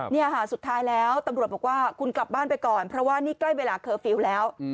นี่ค่ะสุดท้ายแล้วตำรวจบอกว่าคุณกลับบ้านไปก่อนเพราะว่านี่ใกล้เวลาเคอร์ฟิลล์แล้ว